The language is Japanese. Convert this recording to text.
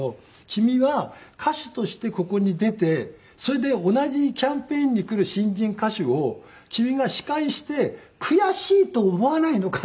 「君は歌手としてここに出てそれで同じキャンペーンに来る新人歌手を君が司会して悔しいと思わないのか？」